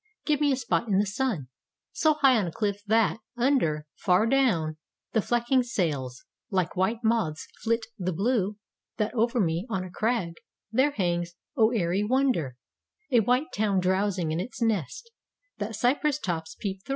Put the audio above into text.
Give me a spot in the sun, So high on a cliff that, under, Far down, the flecking sails Like white moths flit the blue; That over me on a crag There hangs, O aëry wonder, A white town drowsing in its nest That cypress tops peep thro.